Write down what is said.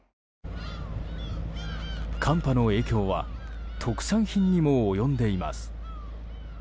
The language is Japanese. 寒波の影響は特産品にも及んでいます。